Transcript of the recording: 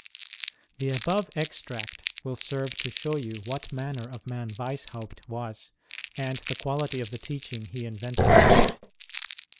The above extract will serve to show you what manner of man Weishaupt was, and the quality of the teaching he invented.